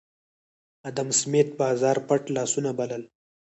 ادم سمېت بازار پټ لاسونه بلل